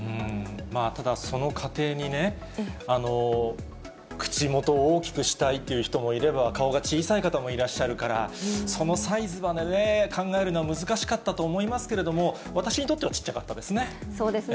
ただ、その過程にね、口元を大きくしたいっていう人もいれば、顔が小さい方もいらっしゃるから、そのサイズまでね、考えるのは難しかったと思いますけれども、私にとってはちっちゃそうですね。